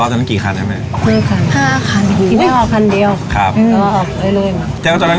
เสื้อขิงตายเงินสด